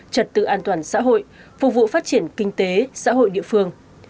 trật tự an toàn xã hội phục vụ phát triển kinh tế xã hội địa phương